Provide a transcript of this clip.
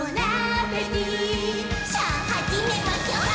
「さあ始めましょう！」